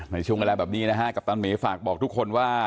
ในช่วงแรกแบบนี้นะครับกัปตันเมฆฝากบอกทุกคนว่า